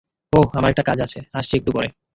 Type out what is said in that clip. ওহ, আমার একটু কাজে আছে, আসছি একটু পরে।